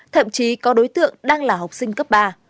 thậm chí có đối tượng đang là học sinh cấp ba